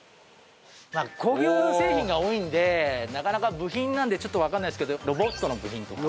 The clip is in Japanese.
工業製品が多いんでなかなか部品なんでちょっとわかんないですけどロボットの部品とか。